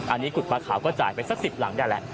อันนี้กุฎปลาขาวก็จ่ายไปสัก๑๐หลังได้แหละ